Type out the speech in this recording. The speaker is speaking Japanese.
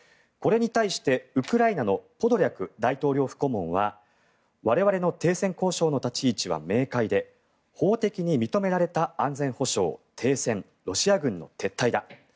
これに対してウクライナのポドリャク大統領府顧問は我々の停戦交渉の立ち位置は明快で法的に認められた安全保障停戦、ロシア軍の撤退だ